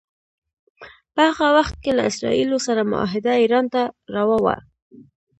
په هغه وخت کې له اسراییلو سره معاهده ایران ته روا وه.